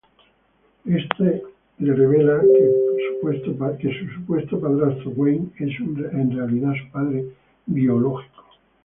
Éste le revela que su supuesto padrastro, Wayne, es en realidad su padre biológico.